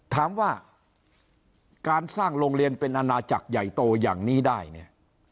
ถามว่าการสร้างโรงเรียนเป็นอาณาจักรใหญ่โตอย่างนี้ได้เนี่ย